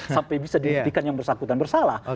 sampai bisa dihentikan yang bersahabat dan bersalah